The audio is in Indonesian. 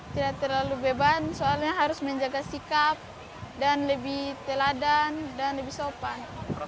tidak terlalu beban soalnya harus menjaga sikap dan lebih teladan dan lebih sopan